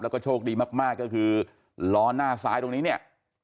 แล้วก็โชคดีมากก็คือล้อหน้าซ้ายตรงนี้เนี่ย